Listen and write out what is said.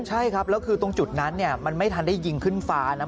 ใช่ครับแล้วคือตรงจุดนั้นมันไม่ทันได้ยิงขึ้นฟ้านะ